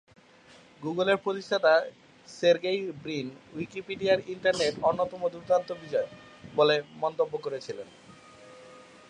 গুগলের প্রতিষ্ঠাতা Sergey Brin "উইকিপিডিয়ার ইন্টারনেটের অন্যতম দুর্দান্ত বিজয়" বলে মন্তব্য করেছিলেন।